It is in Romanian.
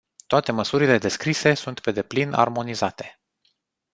Toate măsurile descrise sunt pe deplin armonizate.